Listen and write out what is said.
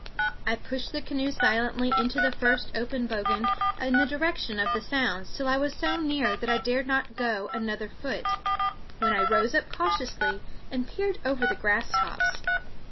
I pushed the canoe silently into the first open bogan in the direction of the sounds till I was so near that I dared not go another foot, when I rose up cautiously and peered over the grass tops.